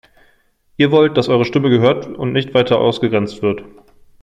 Ihr wollt, dass eure Stimme gehört und nicht weiter ausgegrenzt wird.